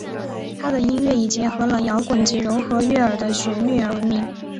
她的音乐以结合了摇滚及柔和悦耳的旋律闻名。